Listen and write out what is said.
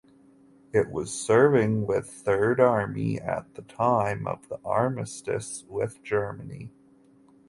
It was serving with Third Army at the time of the Armistice with Germany.